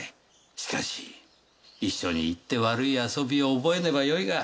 しかし一緒に行って悪い遊びを覚えねばよいが。